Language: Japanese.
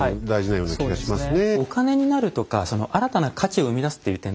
そうですね。